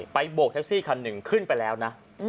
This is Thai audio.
โบกแท็กซี่คันหนึ่งขึ้นไปแล้วนะ